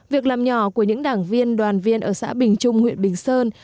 việc làm nhỏ của những đảng viên đoàn viên ở xã bình trung huyện bình sơn